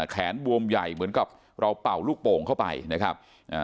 แขนบวมใหญ่เหมือนกับเราเป่าลูกโป่งเข้าไปนะครับอ่า